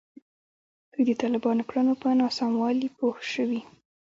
دوی د طالبانو کړنو پر ناسموالي پوه شوي.